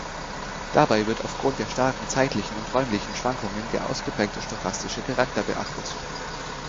Dabei wird aufgrund der starken zeitlichen und räumlichen Schwankungen der ausgeprägte stochastische Charakter beachtet.